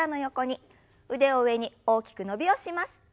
腕を上に大きく伸びをします。